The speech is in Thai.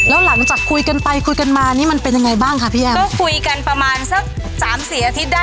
แล้วหลังจากคุยกันไปคุยกันมานี่มันเป็นยังไงบ้างคะพี่แอมก็คุยกันประมาณสักสามสี่อาทิตย์ได้